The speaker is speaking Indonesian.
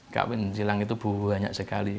kawin silang itu banyak sekali